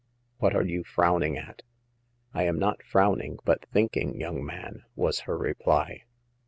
What are you frowning at ?"" I am not frowning, but thinking, young man," was her reply.